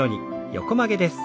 横曲げです。